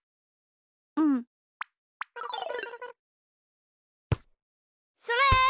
うん。それ！